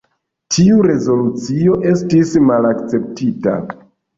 Tiu rezolucio estis malakceptita.